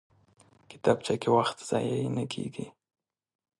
کتابچه کې وخت ضایع نه کېږي